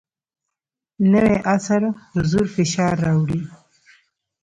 نوی عصر حضور فشار راوړی.